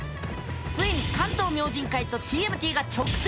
ついに関東明神会とＴＭＴが直接対決！